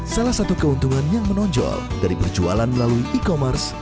salah satu keuntungan yang menonjol dari berjualan melalui e commerce